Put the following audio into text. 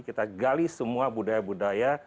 kita gali semua budaya budaya